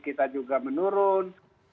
kita juga menurun